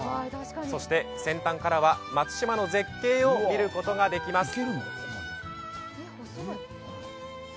そして先端からは松島の絶景を見ることができます。